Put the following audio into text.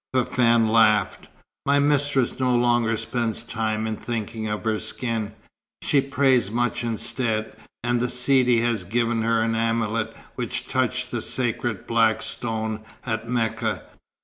Fafann laughed. "My mistress no longer spends time in thinking of her skin. She prays much instead; and the Sidi has given her an amulet which touched the sacred Black Stone at Mecca.